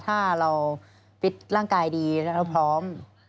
ถ้าเราฟิตร่างกายดีแล้วเราพร้อม